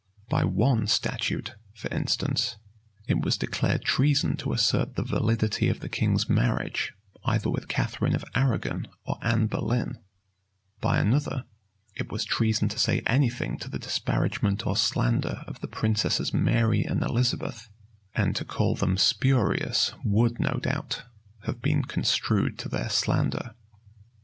By one statute,[] for instance, it was declared treason to assert the validity of the king's marriage, either with Catharine of Arragon or Anne Boleyn; by another,[] it was treason to say any thing to the disparagement or slander of the princesses Mary and Elizabeth; and to call them spurious would, no doubt, have been construed to their slander.